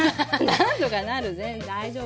なんとかなる全然大丈夫。